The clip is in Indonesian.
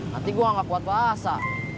nanti gue gak kuat basah